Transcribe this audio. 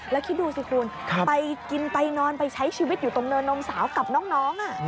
แล้วคิดดูสิคุณไปกินไปนอนไปใช้ชีวิตอยู่ตรงเนินนมสาวกับน้อง